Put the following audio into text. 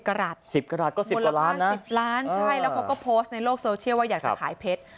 กระดาษ๑๐กระดาษก็๑๐กว่าล้านนะ๑๐ล้านใช่แล้วเขาก็โพสต์ในโลกโซเชียลว่าอยากจะขายเพชร